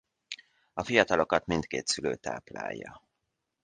A fiatalokat mindkét szülő táplálja.